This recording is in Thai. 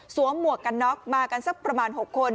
หมวกกันน็อกมากันสักประมาณ๖คน